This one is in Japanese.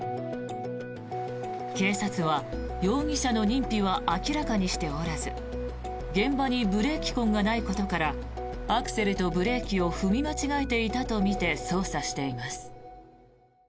警察は容疑者の認否は明らかにしておらず現場にブレーキ痕がないことからアクセルとブレーキを踏み間違えていたとみて捜査しています。